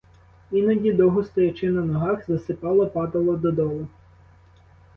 Іноді, довго стоячи, на ногах засипало, падало додолу.